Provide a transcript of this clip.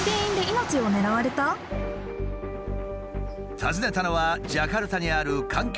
訪ねたのはジャカルタにある環境